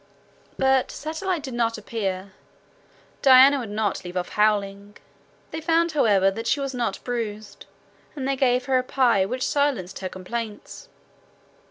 But Satellite did not appear. Diana would not leave off howling. They found, however, that she was not bruised, and they gave her a pie, which silenced her complaints.